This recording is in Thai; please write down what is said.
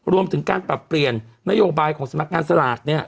รวมถึงการปรับเปลี่ยนนโยบายของสำนักงานสลากเนี่ย